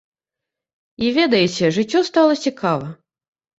І, ведаеце, жыццё стала цікава.